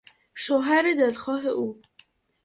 شوهر دلخواه او